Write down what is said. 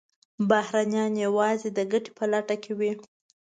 بهرنیان یوازې د ګټې په لټه وي.